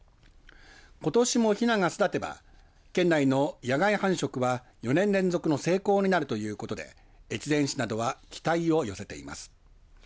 ことしもヒナが巣立てば県内の野外繁殖は４年連続の成功になるということで越前市などは期待を寄せています。